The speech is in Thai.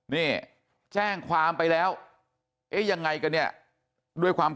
นี่แจ้งความไปแล้วยังไงกันเนี่ย